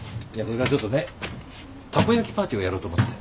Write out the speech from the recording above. これからちょっとねたこ焼きパーティーをやろうと思って。